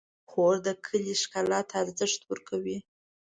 خور د کلي ښکلا ته ارزښت ورکوي.